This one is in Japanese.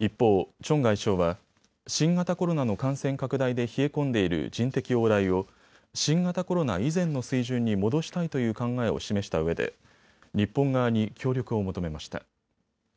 一方、チョン外相は新型コロナの感染拡大で冷え込んでいる人的往来を新型コロナ以前の水準に戻したいという考えを示したうえで日本側に協力を求めました。